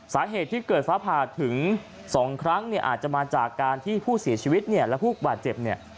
สาเหตุที่เกิดฟ้าผ่าถึงสองครั้งเนี่ยอาจจะมาจากการที่ผู้เสียชีวิตเนี่ยและผู้บาดเจ็บเนี่ย